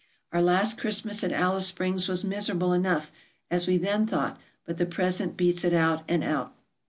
Our last Christmas at Alice Springs was miserable enough, as we then thought, but the present beats it out and out.